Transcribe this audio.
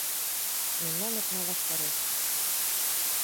Мемнан окна ваштареш